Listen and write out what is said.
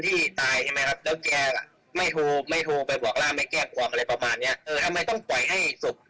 ทำไมต้องปล่อยให้สุขข้าม๒วันอะไรประมาณนี้